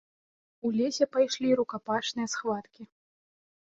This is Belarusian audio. У лесе пайшлі рукапашныя схваткі.